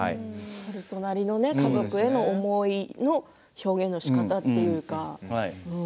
悠人なりの家族への思いが表現のしかたというか。